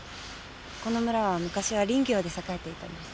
この村は昔は林業で栄えていたんです。